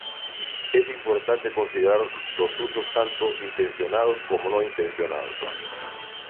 Es importante considerar los usos tanto intencionados como no intencionados.